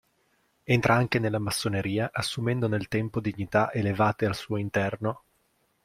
Entra anche nella massoneria, assumendo nel tempo dignità elevate al suo interno.